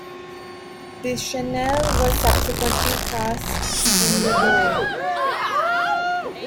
Deschanel was subsequently cast in the role.